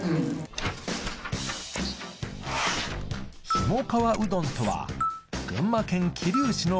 ひもかわうどんとは群馬県桐生市の郷土食